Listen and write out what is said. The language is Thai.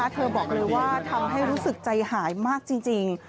เธอบอกเลยว่าทำให้รู้สึกใจหายมากจริง